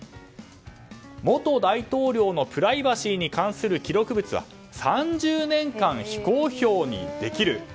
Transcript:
元大統領のプライバシーに関する記録物は３０年間、非公表にできる。